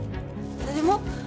何も。